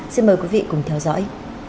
xin mời quý vị cùng theo dõi